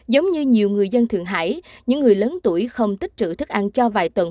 giống như nhiều người dân thượng hải những người lớn tuổi không tích trữ thức ăn cho vài tuần